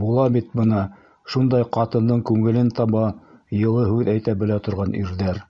Була бит бына шундай ҡатындың күңелен таба, йылы һүҙ әйтә белә торған ирҙәр!